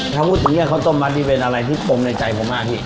ถ้าพูดจริงนี้ค้าต้มมัตต์มันเป็นอะไรที่ปมในใจผมมากอ่ะพี่